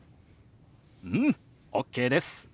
うん！ＯＫです。